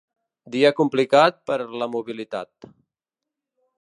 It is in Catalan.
Dia complicat per la mobilitat.